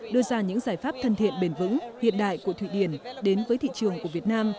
đưa ra những giải pháp thân thiện bền vững hiện đại của thụy điển đến với thị trường của việt nam